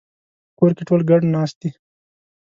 په کور کې ټول ګډ ناست دي